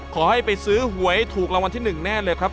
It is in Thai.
ขอให้ไปซื้อหวยถูกรางวัลที่๑แน่เลยครับ